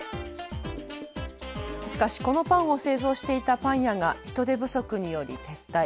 しかし、このパンを製造していたパン屋が人手不足により撤退。